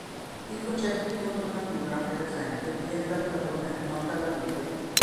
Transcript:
Il concetto di "contro natura", per esempio, viene da Platone, non dalla Bibbia.